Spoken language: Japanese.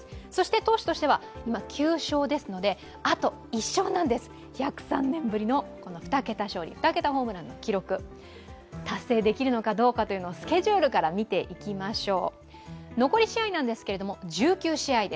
投手としては今９勝ですので、あと１勝なんです、１０３年ぶりの２桁勝利、２桁ホームランの記録達成できるのかどうかをスケジュールから見ていきましょう。